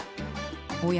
おや？